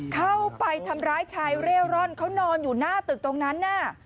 เข้าไปทำร้ายชายเร่ร่อนเขานอนอยู่หน้าตึกตรงนั้นน่ะ